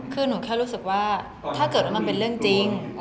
คือหนูแค่รู้สึกว่าถ้าเกิดว่ามันเป็นเรื่องจริง